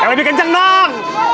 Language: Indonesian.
yang lebih kenceng dong